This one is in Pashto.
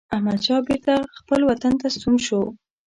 احمدشاه بیرته خپل وطن ته ستون شو.